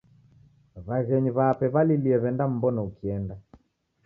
W'aghenyu w'ape w'alilie w'endam'mbona ukienda.